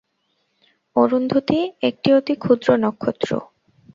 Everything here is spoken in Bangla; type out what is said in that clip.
অরুন্ধতী একটি অতি ক্ষুদ্র নক্ষত্র।